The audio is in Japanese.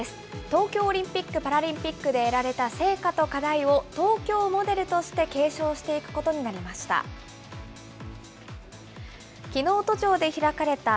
東京オリンピック・パラリンピックで得られた成果と課題を、東京モデルとして継承していくことになりました。